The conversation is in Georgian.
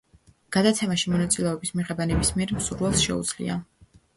გადაცემაში მონაწილეობის მიღება ნებისმიერ მსურველს შეუძლია.